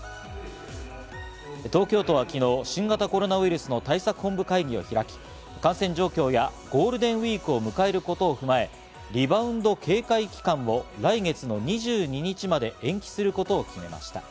東京都は昨日、新型コロナウイルスの対策本部会議を開き、感染状況やゴールデンウイークを迎えることを踏まえ、リバウンド警戒期間を来月の２２日まで延期することを決めました。